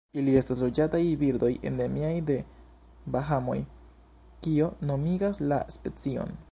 Ili estas loĝantaj birdoj endemiaj de Bahamoj, kio nomigas la specion.